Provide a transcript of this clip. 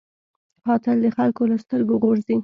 قاتل د خلکو له سترګو غورځي